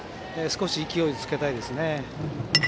少し勢いをつけたいですね。